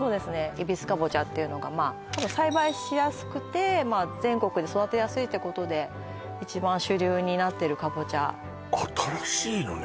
えびすカボチャっていうのがまあ栽培しやすくてまあ全国で育てやすいってことで一番主流になってるカボチャ新しいのね